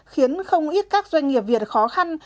khiến không ít các doanh nghiệp việt khó khăn